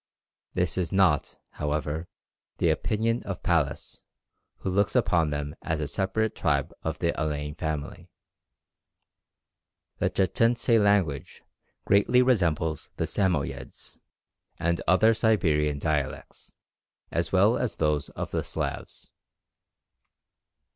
This is not, however, the opinion of Pallas, who looks upon them as a separate tribe of the Alain family. The Tchetchentse language greatly resembles the Samoyede and other Siberian dialects, as well as those of the Slavs.